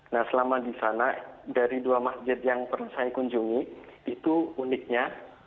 nah selama di sana dari dua masjid yang pernah saya kunjungi itu uniknya